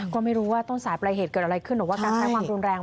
ก็ไม่รู้ว่าต้นสายปลายเหตุเกิดอะไรขึ้นหรือว่าการใช้ความรุนแรง